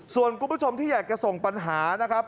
ส่วนคุณผู้ชมที่อยากจะส่งปัญหานะครับ